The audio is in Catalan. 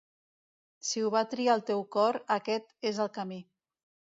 Si ho va triar el teu cor, aquest és el camí.